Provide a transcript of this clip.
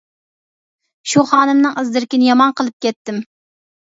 شۇ خانىمنىڭ ئىز-دېرىكىنى يامان قىلىپ كەتتىم!